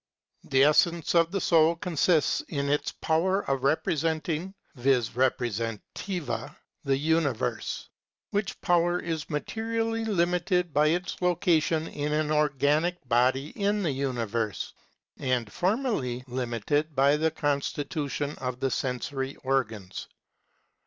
§ 66. The essence of the soul consists in its power oj re presenting (vis reprcBsentiva) the universe, wMch power is materially limited by its location in an organic body in the universe, and formally limited by the constitution of the sensory organs.